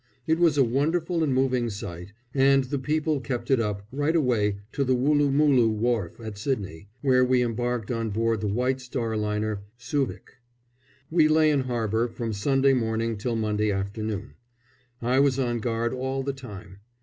It was a wonderful and moving sight, and the people kept it up right away to the Woolloomooloo Wharf at Sydney, where we embarked on board the White Star liner Suevic. We lay in harbour from Sunday morning till Monday afternoon. I was on guard all the time.